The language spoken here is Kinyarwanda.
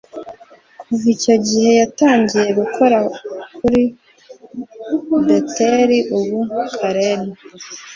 kuva icyo gihe yatangiye gukora kuri Beteli Ubu Karen